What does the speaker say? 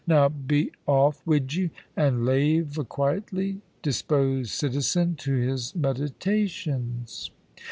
Now be off wid you, and lave a quietly disposed citizen to his meditations.'